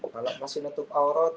kalau masih nutup aurot